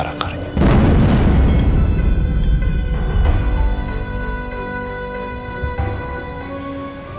saya pasti akan menyelidiki itu